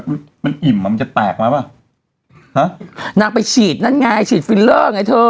มันมันอิ่มมันจะแตกมาปะฮะน้ำไปฉีดนั่นไงฉีดไอไอเธอ